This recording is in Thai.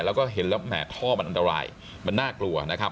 แล้วก็เห็นแล้วแห่ท่อมันอันตรายมันน่ากลัวนะครับ